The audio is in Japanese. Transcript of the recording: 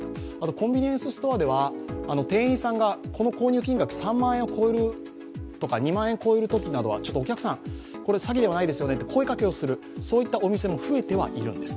コンビニエンスストアでは店員さんがこの購入金額３万円を超えるとか、２万円を超えるときなどは、お客さん、これ詐欺じゃないですよね？と声かけをする、そういったお店も増えてはいるんです。